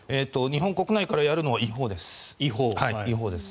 日本国内からやるのは違法です。